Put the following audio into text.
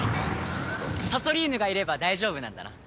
サソリーヌがいれば大丈夫なんだな？